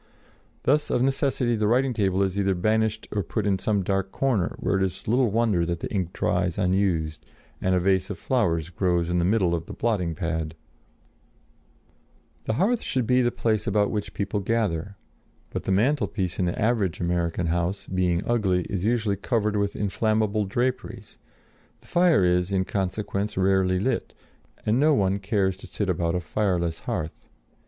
Thus of necessity the writing table is either banished or put in some dark corner, where it is little wonder that the ink dries unused and a vase of flowers grows in the middle of the blotting pad. [Illustration: PLATE VII. FRENCH BERGÈRE, LOUIS XVI PERIOD.] The hearth should be the place about which people gather; but the mantelpiece in the average American house, being ugly, is usually covered with inflammable draperies; the fire is, in consequence, rarely lit, and no one cares to sit about a fireless hearth.